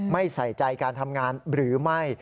ใส่ใจการทำงานหรือไม่